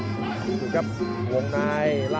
จัดธนูษย์สึกเล็กนี่ครับสร้างจังหวะได้ดีครับ